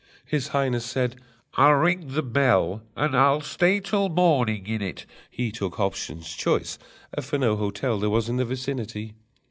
His Highness said: "I'll ring the bell And stay till morning in it!" (He Took Hobson's choice, for no hotel There was in the vicinity.)